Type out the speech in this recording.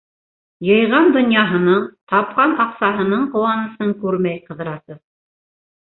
Йыйған донъяһының, тапҡан аҡсаһының ҡыуанысын күрмәй Ҡыҙрасов.